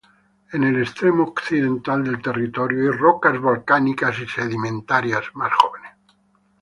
En el extremo occidental del territorio hay rocas volcánicas y sedimentarias más jóvenes.